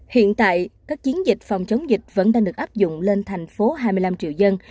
hiện tại các chiến dịch phòng chống dịch vẫn đang được áp dụng lên thành phố hai mươi năm triệu dân